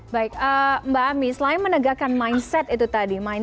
baik mbak ami selain menegakkan mindset itu tadi